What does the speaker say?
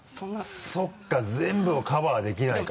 そうか全部をカバーできないか。